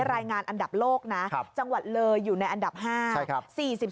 รายงานอันดับโลกนะจังหวัดเลยอยู่ในอันดับ๕